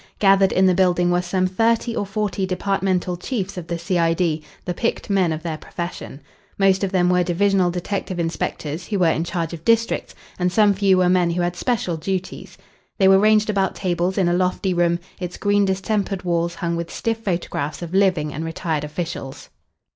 Gathered in the building were some thirty or forty departmental chiefs of the C.I.D., the picked men of their profession. Most of them were divisional detective inspectors who were in charge of districts, and some few were men who had special duties. They were ranged about tables in a lofty room, its green distempered walls hung with stiff photographs of living and retired officials.